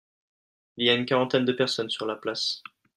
Il y a une quarantaine de personnes sur la place.